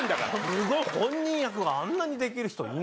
すごい本人役をあんなにできる人いない。